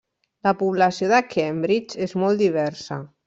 La població de Cambridge és molt diversa.